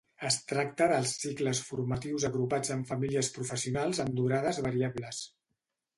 Es tracta dels cicles formatius agrupats en famílies professionals amb durades variables.